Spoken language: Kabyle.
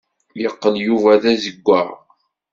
Yeqqel Yuba d azeggaɣ.